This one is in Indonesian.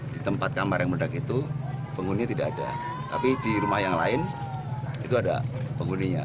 di tempat kamar yang mendak itu penghuni tidak ada tapi di rumah yang lain itu ada penghuninya